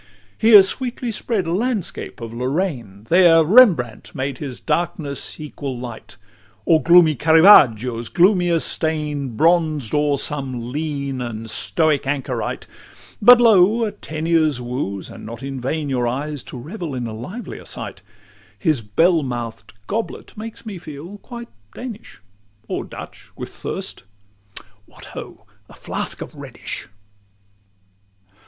LXXII Here sweetly spread a landscape of Lorraine; There Rembrandt made his darkness equal light, Or gloomy Caravaggio's gloomier stain Bronzed o'er some lean and stoic anchorite: But, lo! a Teniers woos, and not in vain, Your eyes to revel in a livelier sight: His bell mouth'd goblet makes me feel quite Danish Or Dutch with thirst What, ho! a flask of Rhenish.